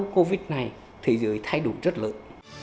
covid này thế giới thay đổi rất lớn